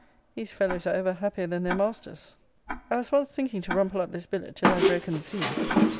These fellows are ever happier than their masters. I was once thinking to rumple up this billet till I had broken the seal.